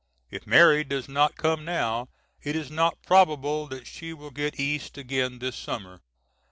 If Mary does not come now, it is not probable that she will get East again this summer.